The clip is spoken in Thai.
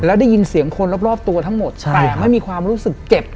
แล้วได้ยินเสียงคนรอบตัวทั้งหมดแต่ไม่มีความรู้สึกเจ็บ